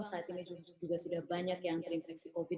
saat ini juga sudah banyak yang terinfeksi covid sembilan